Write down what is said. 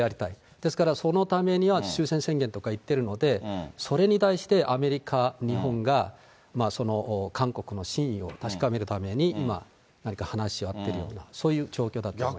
ですから、そのためには終戦宣言とか言ってるので、それに対してアメリカ、日本が韓国の真意を確かめるために今、何か話し合ってるような、そういう状況なんだと思います。